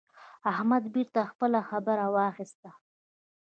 احمد بېرته خپله خبره واخيسته.